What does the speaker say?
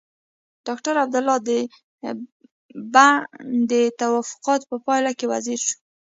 ډاکټر عبدالله د بن د توافقاتو په پايله کې وزیر شو.